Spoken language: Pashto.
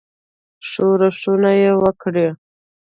ښورښونه وکړي.